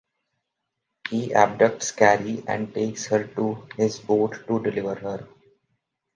He abducts Cari and takes her to his boat to deliver her.